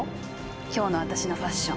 今日の私のファッション。